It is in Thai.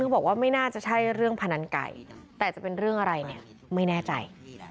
บอกว่าไม่น่าจะใช่เรื่องพนันไก่แต่จะเป็นเรื่องอะไรเนี่ยไม่แน่ใจ